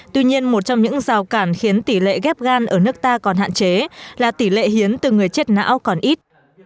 tuy nhiên một trong những rào cản khiến tỷ lệ ghép gan ở nước ta còn hạn chế là tỷ lệ hiến từ người chết não còn ít